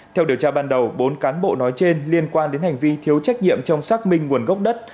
theo điều tra ban đầu bốn cán bộ nói trên liên quan đến hành vi thiếu trách nhiệm trong xác minh nguồn gốc đất